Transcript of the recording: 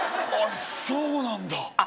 あそうなんだ